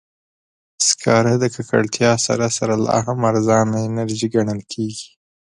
سکاره د ککړتیا سره سره، لا هم ارزانه انرژي ګڼل کېږي.